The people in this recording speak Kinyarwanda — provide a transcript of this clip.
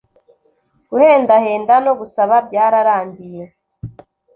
Guhendahenda no gusaba byararangiye